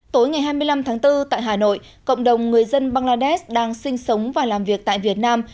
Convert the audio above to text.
tối ngày hai mươi năm tháng bốn tại hà nội cộng đồng người dân bangladesh đang sinh sống và làm việc tại việt nam